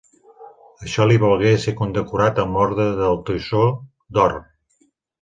Això li valgué ser condecorat amb l’Orde del Toisó d'Or.